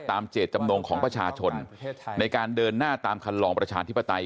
เจตจำนงของประชาชนในการเดินหน้าตามคันลองประชาธิปไตย